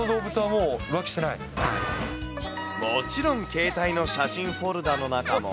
もちろん、携帯の写真フォルダの中も。